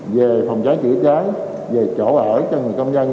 về phòng cháy chữa cháy về chỗ ở cho người công nhân